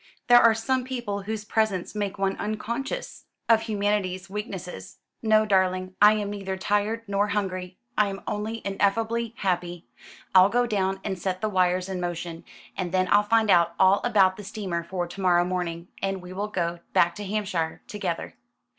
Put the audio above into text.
There are some people whose presence makes one unconscious of humanity's weaknesses. No, darling, I am neither tired nor hungry; I am only ineffably happy. I'll go down and set the wires in motion; and then I'll find out all about the steamer for to morrow morning, and we will go back to Hampshire together."